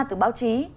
từ báo chí